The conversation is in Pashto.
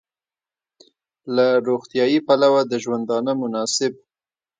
له روغتیايي پلوه د ژوندانه مناسب